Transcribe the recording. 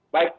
baik itu pak